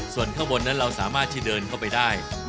ส่วนข้างบนนั้นเราสามารถที่เดินเข้าไปได้